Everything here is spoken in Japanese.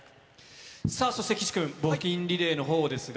さあ、そして岸君、募金リレーのほうですが。